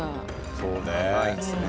そうね。